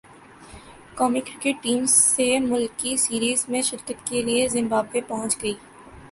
قومی cricket team سہ ملکی سیریز میں شرکت کے لیے زمبابوے پہنچ گئی